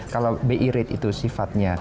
kalau bi rate itu sifatnya